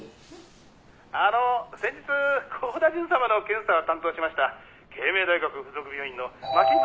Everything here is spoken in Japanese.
「あの先日幸田純様の検査を担当しました慶明大学付属病院の槇村です」